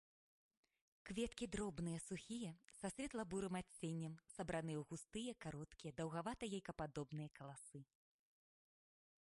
Кветкі дробныя сухія са светла-бурым адценнем, сабраныя ў густыя кароткія даўгавата-яйкападобныя каласы.